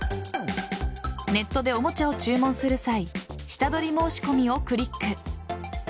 ネットでおもちゃを注文する際下取り申し込みをクリック。